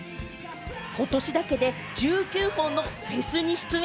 ことしだけで、１９本のフェスに出演。